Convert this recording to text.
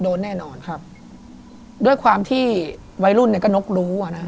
โดนแน่นอนด้วยความที่วัยรุ่นก็นกรู้